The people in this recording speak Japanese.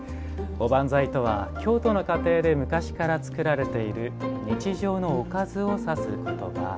おばんざいとは、京都の家庭で昔から作られている日常のおかずを指す言葉。